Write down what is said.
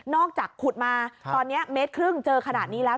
จากขุดมาตอนนี้เมตรครึ่งเจอขนาดนี้แล้ว